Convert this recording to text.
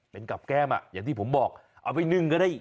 เป็นกับแก้มอย่างที่ผมบอกเอาไปนึ่งก็ได้